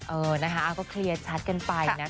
เออนะคะก็เคลียร์ชัดกันไปนะคะ